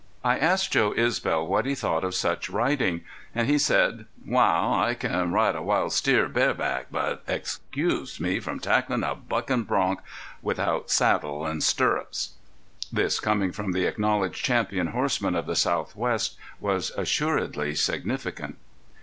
I asked Joe Isbel what he thought of such riding. And he said: "Wal, I can ride a wild steer bare back, but excoose me from tacklin' a buckin' bronch without saddle an' stirrups." This coming from the acknowledged champion horseman of the southwest was assuredly significant.